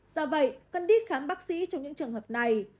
do vậy cần đi khám bác sĩ trong những trường hợp này